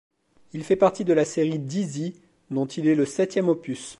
Il fait partie de la série Dizzy dont il est le septième opus.